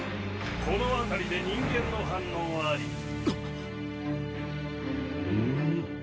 ・この辺りで人間の反応あり・ふん。